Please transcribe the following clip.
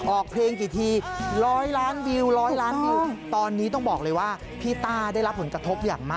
ออกเพลงกี่ทีร้อยล้านวิวร้อยล้านวิวตอนนี้ต้องบอกเลยว่าพี่ต้าได้รับผลกระทบอย่างมาก